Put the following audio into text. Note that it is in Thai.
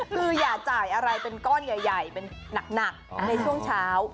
คืออย่าจ่ายอะไรเป็นก้อนใหญ่เป็นหนักในช่วงเช้า